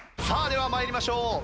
さあでは参りましょう。